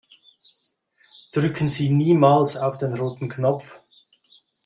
Drücken Sie niemals auf den roten Knopf!